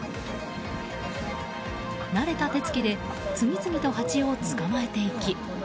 慣れた手つきで次々とハチを捕まえていき。